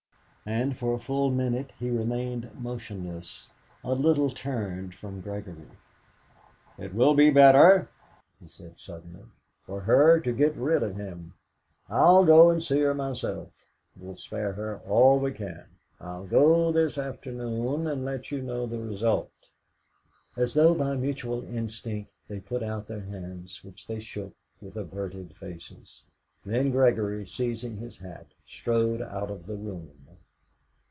And for a full minute he remained motionless, a little turned from Gregory. "It will be better," he said suddenly, "for her to get rid of him. I'll go and see her myself. We'll spare her all we can. I'll go this afternoon, and let you know the result." As though by mutual instinct, they put out their hands, which they shook with averted faces. Then Gregory, seizing his hat, strode out of the room.